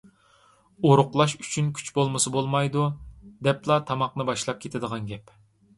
ئورۇقلاش ئۈچۈن كۈچ بولمىسا بولمايدۇ، دەپلا تاماقنى باشلاپ كېتىدىغان گەپ.